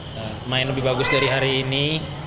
kita masih main lebih bagus dari hari ini